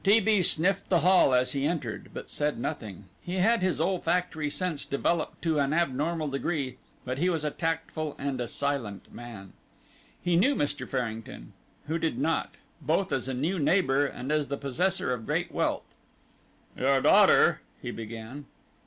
T. B. sniffed the hall as he entered, but said nothing. He had his olfactory sense developed to an abnormal degree, but he was a tactful and a silent man. He knew Mr. Farrington who did not? both as a new neighbour and as the possessor of great wealth. "Your daughter " he began.